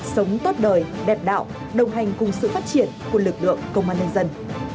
sống tốt đời đẹp đạo đồng hành cùng sự phát triển của lực lượng công an nhân dân